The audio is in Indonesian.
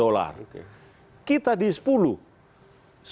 seluruh industri kita itu bisa turun menjadi lima enam dolar